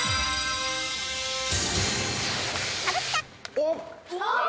おっ！